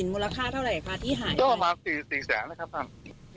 เงินสดประมาณสามหมื่นกว่าบาทครับ